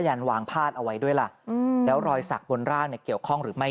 หลังจากพบศพผู้หญิงปริศนาตายตรงนี้ครับ